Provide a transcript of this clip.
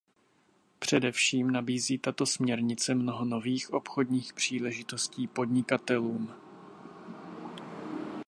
Především nabízí tato směrnice mnoho nových obchodních příležitostí podnikatelům.